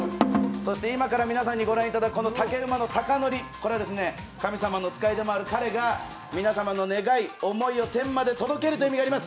そして今から皆さんに御覧いただく竹馬の高乗り、これは神様の使いでもある彼が皆様の願い、思いを天まで届けるという意味があります。